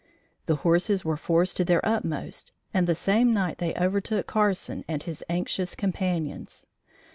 The horses were forced to their utmost and the same night they overtook Carson and his anxious companions.